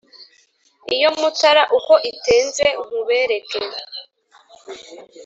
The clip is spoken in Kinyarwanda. Iya Mutara uko iteze nkubereke